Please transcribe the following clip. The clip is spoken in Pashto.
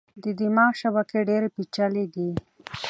د دماغ شبکې ډېرې پېچلې دي.